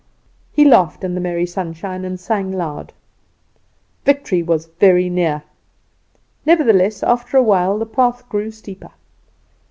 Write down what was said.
"He laughed in the merry sunshine, and sang loud. Victory was very near. Nevertheless, after a while the path grew steeper.